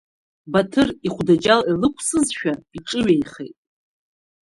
Баҭыр, ихәдаџьал илықәсызшәа, иҿыҩеихеит.